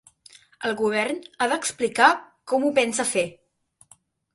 El govern ha d’explicar com ho pensa fer.